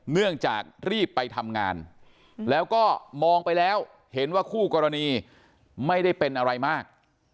เนื่องจากรีบไปทำงานแล้วก็มองไปแล้วเห็นว่าคู่กรณีไม่ได้เป็นอะไรมาก